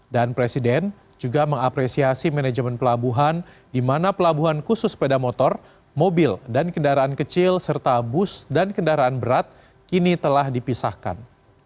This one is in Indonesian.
dan presiden juga mengapresiasi manajemen pelabuhan di mana pelabuhan khusus sepeda motor mobil dan kendaraan kecil serta bus dan kendaraan berat kini telah dipisahkan